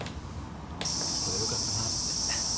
それよかったなって。